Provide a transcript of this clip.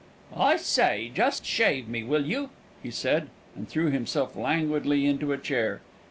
"I say, just shave me, will you?" he said, and threw himself languidly into a chair.